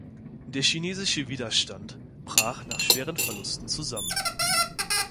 Der chinesische Widerstand brach nach schweren Verlusten zusammen.